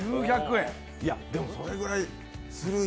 いや、でもそれぐらいするよ。